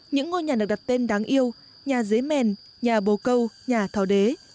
những ngôi nhà được đặt tên đáng yêu nhà giấy mèn nhà bồ câu nhà thò đế